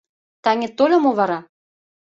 Таҥет тольо мо вара?